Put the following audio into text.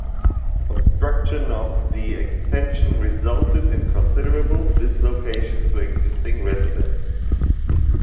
Construction of the extension resulted in considerable dislocation to existing residents.